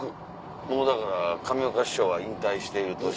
もうだから上岡師匠は引退している年。